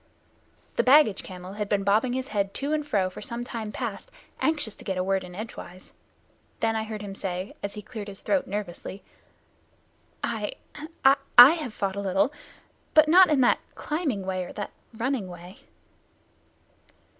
The baggage camel had been bobbing his head to and fro for some time past, anxious to get a word in edgewise. Then I heard him say, as he cleared his throat, nervously: "I I I have fought a little, but not in that climbing way or that running way."